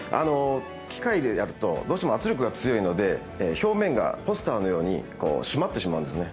機械でやるとどうしても圧力が強いので表面がポスターのように締まってしまうんですね。